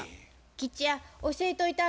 吉弥教えといたるわ。